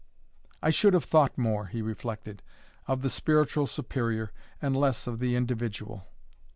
"I should have thought more," he reflected, "of the spiritual Superior, and less of the individual.